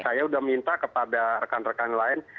saya sudah minta kepada rekan rekan lain